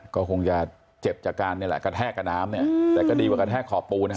ก็คงจะเจ็บจากการนี่แหละกระแทกกับน้ำเนี่ยแต่ก็ดีกว่ากระแทกขอบปูน